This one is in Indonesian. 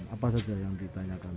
apa saja yang ditanyakan